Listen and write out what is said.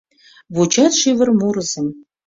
Вучат шӱвыр мурызым...